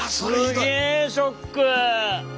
すげえショック。